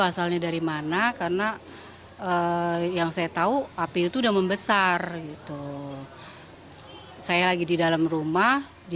asalnya dari mana karena yang saya tahu api itu udah membesar gitu saya lagi di dalam rumah di